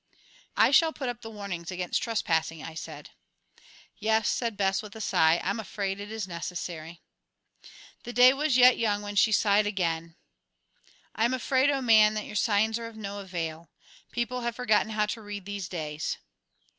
"I shall put up the warnings against trespassing," I said. "Yes," said Bess, with a sigh. "I'm afraid it is necessary." The day was yet young when she sighed again: "I'm afraid, O Man, that your signs are of no avail. People have forgotten how to read, these days."